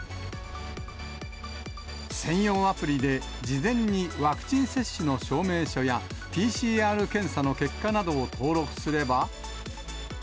専用アプリで、事前にワクチン接種の証明書や、ＰＣＲ検査の結果などを登録すれば。